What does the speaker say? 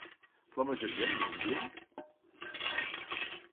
La majoria amb Ninlil?